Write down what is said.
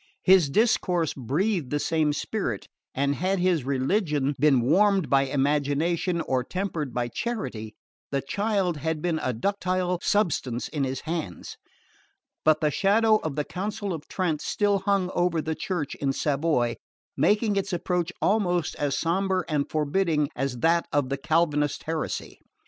His discourse breathed the same spirit, and had his religion been warmed by imagination or tempered by charity the child had been a ductile substance in his hands; but the shadow of the Council of Trent still hung over the Church in Savoy, making its approach almost as sombre and forbidding as that of the Calvinist heresy.